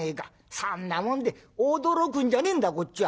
そんなもんで驚くんじゃねえんだこっちは」。